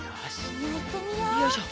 よいしょ。